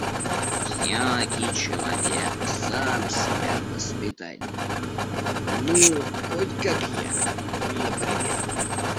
Всякий человек сам себя воспитать должен - ну хоть как я, например...